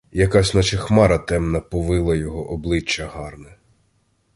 Якась наче хмара темна повила його обличчя гарне.